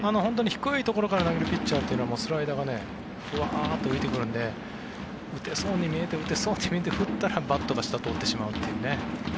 低いところから投げるピッチャーはスライダーがふわっと浮いてくるので打てそうに見えて打てそうに見えて振ったら、バットが下を通ってしまうというね。